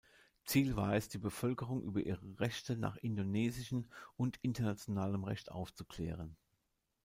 Ziel war es, die Bevölkerung über ihre Rechte nach indonesischen und internationalem Recht aufzuklären.